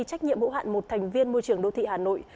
trách nhiệm hữu hạn một thành viên môi trường đô thị hà nội